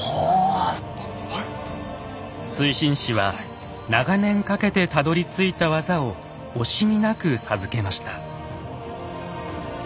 水心子は長年かけてたどりついた技を惜しみなく授けました。